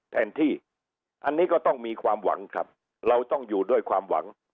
แทนที่อันนี้ก็ต้องมีความหวังครับเราต้องอยู่ด้วยความหวัง